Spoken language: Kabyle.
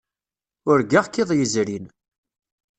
Urgaɣ-k iḍ yezrin.